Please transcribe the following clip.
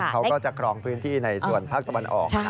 เขาก็จะครองพื้นที่ในส่วนภาคตะวันออก